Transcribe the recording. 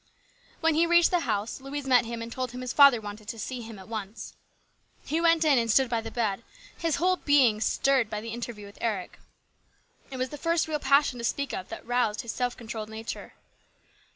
When he reached the house Louise met him and told him his father wanted to see him at once. He went in and stood by the bed, his whole being stirred by the interview with Eric. It was the first real passion to speak of that had roused his self controlled nature.